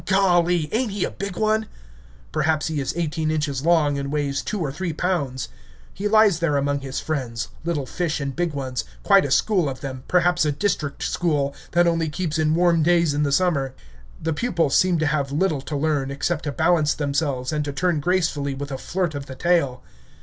"Golly, ain't he a big one!" Perhaps he is eighteen inches long, and weighs two or three pounds. He lies there among his friends, little fish and big ones, quite a school of them, perhaps a district school, that only keeps in warm days in the summer. The pupils seem to have little to learn, except to balance themselves and to turn gracefully with a flirt of the tail.